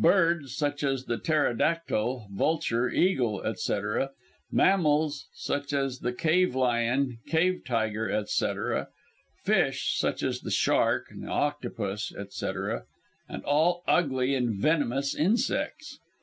birds, such as the ptereodactyl, vulture, eagle, etc.; mammals, such as the cave lion, cave tiger, etc.; fish, such as the shark, octopus, etc.); and all ugly and venomous insects.